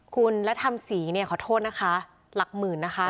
คุณและธรรมศรีเนี่ยขอโทษนะคะหลักหมื่นนะคะ